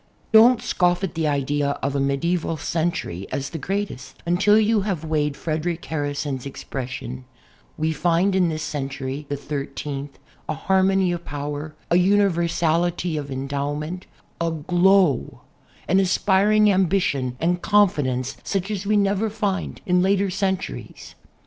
Don't scoff at the idea of a medieval century as the greatest until you have weighed Frederic Harrison's ex pression: "We find in this century (the thirteenth) a harmony of power, a universality of endowment, a glow, an aspiring ambition and confidence such as we never find in later centuries."